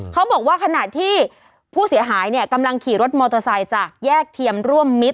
เขาบอกว่าขณะที่ผู้เสียหายเนี่ยกำลังขี่รถมอเตอร์ไซค์จากแยกเทียมร่วมมิตร